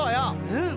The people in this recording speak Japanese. うん。